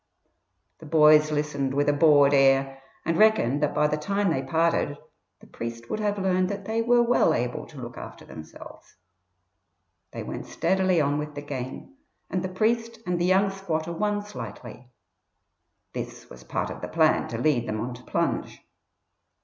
The boys listened with a bored air and reckoned that by the time they parted the priest would have learnt that they were well able to look after themselves. They went steadily on with the game, and the priest and the young squatter won slightly; this was part of the plan to lead them on to plunge.